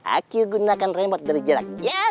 aku gunakan remote dari jarak jauh